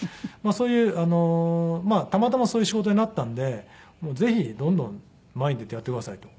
そういうたまたまそういう仕事になったんでぜひどんどん前に出てやってくださいという感じで。